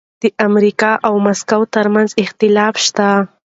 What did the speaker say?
د امریکا او مکسیکو ترمنځ اختلاف شته.